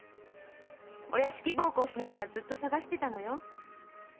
お屋敷奉公しながらずっと捜してたのよ。